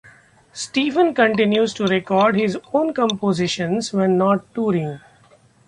Steven continues to record his own compositions when not touring.